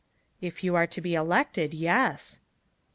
"If you are to be elected yes!"